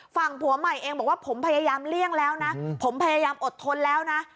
ฝั่งผัวใหม่เองบอกว่าผมพยายามเลี่ยงแล้วนะผมพยายามอดทนแล้วนะ